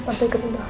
tante gembira kan